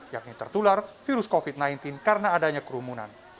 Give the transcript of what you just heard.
yakni tertular virus covid sembilan belas karena adanya kerumunan